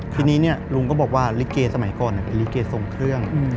ทีนี้ลุงก็บอกว่าลิเกสมัยก่อนเป็นลิเกทรงเครื่อง